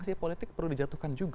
sanksi politik perlu dijatuhkan juga